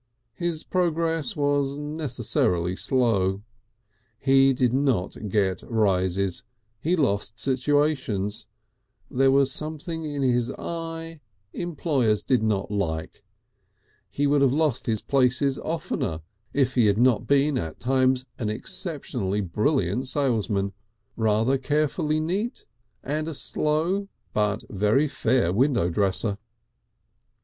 His progress was necessarily slow. He did not get rises; he lost situations; there was something in his eye employers did not like; he would have lost his places oftener if he had not been at times an exceptionally brilliant salesman, rather carefully neat, and a slow but very fair window dresser.